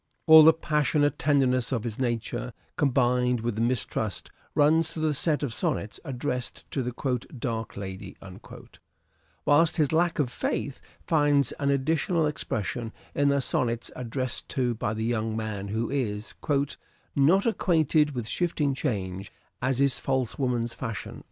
All the passionate tenderness of his nature combined with mistrust runs through the set of sonnets addressed to the '' dark lady "; whilst his lack of faith finds an additional expression in the sonnets addressed to the young man, who is '' not acquainted With shifting change as is false woman's fashion."